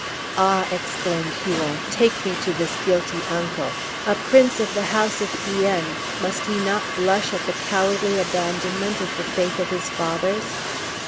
"Ah!" exclaimed Huon, "take me to this guilty uncle. A prince of the house of Guienne, must he not blush at the cowardly abandonment of the faith of his fathers?"